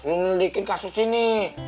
untuk bikin kasus ini